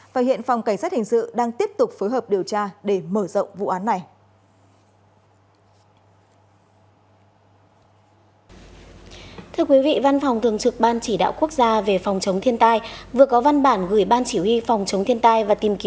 và hiện phòng cảnh sát hình sự đang tiếp tục phối hợp điều tra để mở rộng vụ án này